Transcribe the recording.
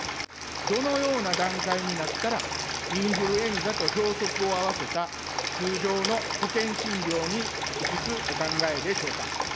どのような段階になったらインフルエンザとひょうそくを合わせた通常の保険診療に移すお考えでしょうか。